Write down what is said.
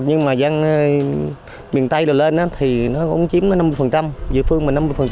nhưng mà dân miền tây lên thì cũng chiếm năm mươi dân địa phương năm mươi